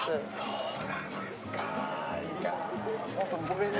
そうなんですね。